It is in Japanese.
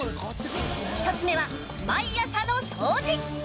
１つ目は毎朝の掃除。